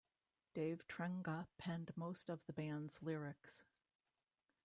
Dave Trenga penned most of the band's lyrics.